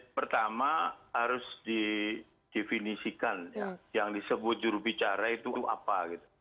pertama harus didefinisikan yang disebut jurubicara itu apa